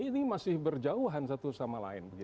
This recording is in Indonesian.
ini masih berjauhan satu sama lain